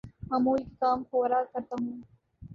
معمول کے کام فورا کرتا ہوں